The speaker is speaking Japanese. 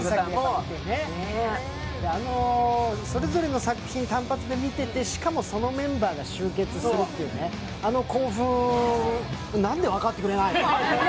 それぞれの作品を単発で見ててしかもそのメンバーが集結するというあの興奮を何で分かってくるないの？